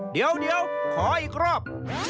เดี๋ยวขออีกรอบ